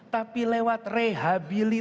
tapi lewat reklamasi